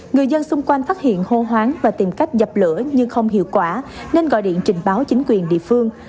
người dân xung quanh phát hiện hô hoáng và tìm cách dập lửa nhưng không hiệu quả nên gọi điện trình báo chính quyền địa phương